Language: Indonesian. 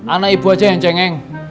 anak ibu aja yang cengeng